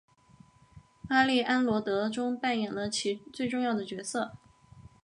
阿丽安萝德中扮演了其最重要的角色。